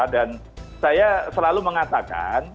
dan saya selalu mengatakan